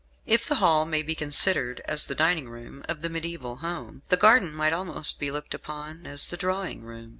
If the hall may be considered as the dining room of the mediaeval home, the garden might almost be looked upon as the drawing room.